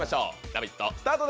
「ラヴィット！」